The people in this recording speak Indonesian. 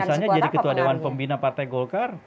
misalnya jadi ketua dewan pembina partai golkar